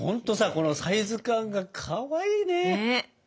このサイズ感がかわいいね！